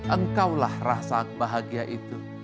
engkau lah rasa bahagia itu